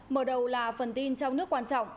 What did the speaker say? mở đầu là phần tin trong nước quan trọng